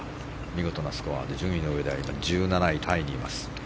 見事なスコアで、順位のうえでは１７位タイにいます。